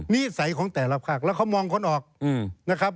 นิสัยของแต่ละภาคแล้วเขามองคนออกนะครับ